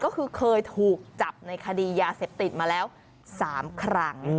ก็คือเคยถูกจับในคดียาเสพติดมาแล้ว๓ครั้ง